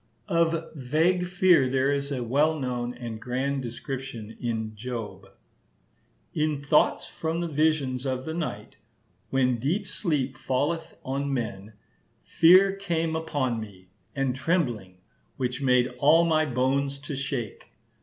Of vague fear there is a well known and grand description in Job:—"In thoughts from the visions of the night, when deep sleep falleth on men, fear came upon me, and trembling, which made all my bones to shake.